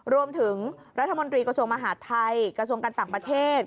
รวมถึงรัฐมนตรีกระทรวงมหาดไทยกระทรวงการต่างประเทศ